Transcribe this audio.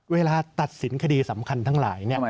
เวลาตัดสินคดีสำคัญทั้งหลาย